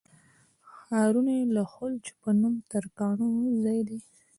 ښارونه یې د خلُخ په نوم ترکانو ځای دی.